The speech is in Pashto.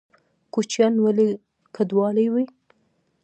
کوچیان ولې کډوالي کوي؟